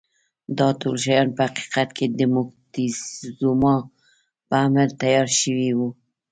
دا ټول شیان په حقیقت کې د موکتیزوما په امر تیار شوي وو.